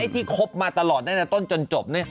อ๋อที่ครบมาตลอดตั้งแต่ต้นจนจบนี่